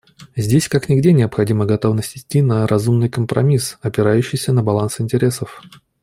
Здесь как нигде необходима готовность идти на разумный компромисс, опирающийся на баланс интересов.